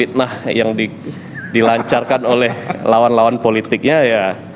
fitnah yang dilancarkan oleh lawan lawan politiknya ya